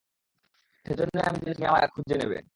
সেজন্যই জানি তুমি আবারো আমায় খুঁজে নেবে।